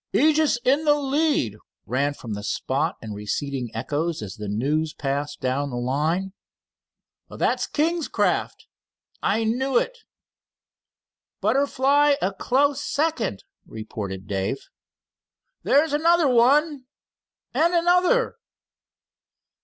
"Aegis in the lead!" ran from the spot in receding echoes as the news passed down the line. "That's King's craft." "I knew it!" "Butterfly a close second," reported Dave. "There's another one!" "And another!"